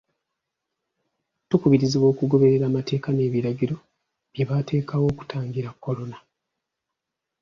Tukubirizibwa okugoberera amateeka n'ebiragiro bye baateekawo okutangira kolona.